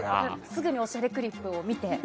すぐに「おしゃれクリップ」を見て。